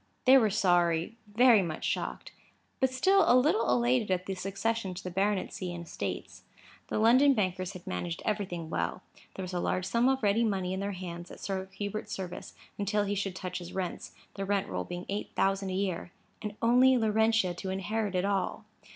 They were sorry; very much shocked; but still a little elated at the succession to the baronetcy and estates. The London bankers had managed everything well. There was a large sum of ready money in their hands, at Sir Hubert's service, until he should touch his rents, the rent roll being eight thousand a year. And only Laurentia to inherit it all!